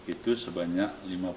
itu sebanyak lima puluh